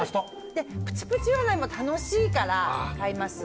プチプチうらないも楽しいから買います。